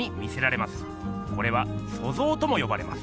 これは「塑造」ともよばれます。